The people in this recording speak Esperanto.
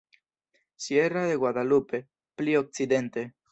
Sierra de Guadalupe: pli okcidente.